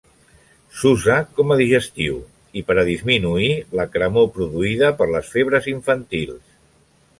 S'usa com a digestiu i per a disminuir la cremor produïda per les febres infantils.